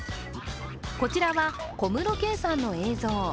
こちらは小室圭さんの映像。